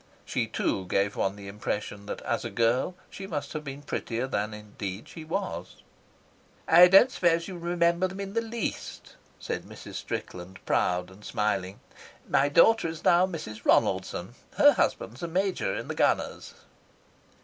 She too gave one the impression that as a girl she must have been prettier than indeed she was. "I suppose you don't remember them in the least," said Mrs. Strickland, proud and smiling. "My daughter is now Mrs. Ronaldson. Her husband's a Major in the Gunners."